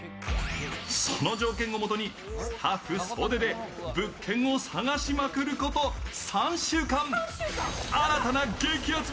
その条件をもとにスタッフ総出で物件を探しまくること３週間、新たな激アツ